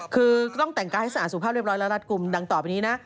คือก็ต้องแต่งกายให้สะอาดสุภาพเรียบร้อยและรัดกลุ่มดังต่อไปนี้นะ